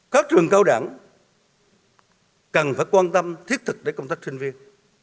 các trường cao đẳng cần phải quan tâm thiết thực để công tác sinh viên